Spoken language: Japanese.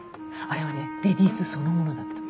あれはねレディースそのものだった。